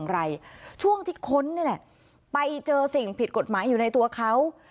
ไปเจอพิษผิดกฎหมายอยู่ในตัวเขา